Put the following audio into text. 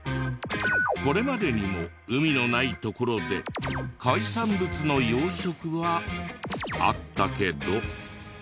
これまでにも海のない所で海産物の養殖はあったけど。